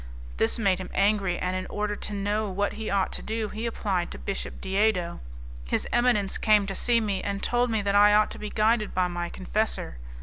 This made him angry, and, in order to know what he ought to do, he applied to Bishop Diedo. His eminence came to see me, and told me that I ought to be guided by my confessor.